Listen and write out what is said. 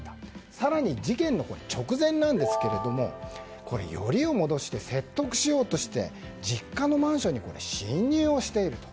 更に事件の直前なんですがよりを戻して説得しようとして実家のマンションに侵入をしている。